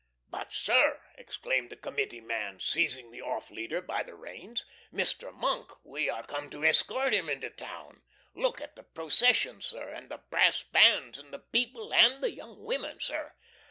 "But, sir," exclaimed the Committee man, seizing the off leader by the reins "Mr Monk, we are come to escort him into town! Look at the procession, sir, and the brass bands, and the people, and the young women, sir!"